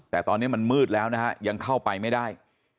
แต่ตอนนี้มันมืดแล้วนะฮะยังเข้าไปไม่ได้